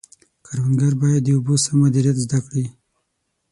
کروندګر باید د اوبو سم مدیریت زده کړي.